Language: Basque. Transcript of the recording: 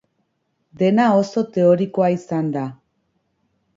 Dena oso teorikoa izan da.